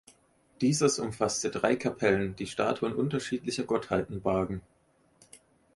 Dieses umfasste drei Kapellen, die Statuen unterschiedlicher Gottheiten bargen.